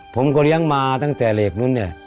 ผมก็เลี้ยงมาตั้งแต่เหลกนั้น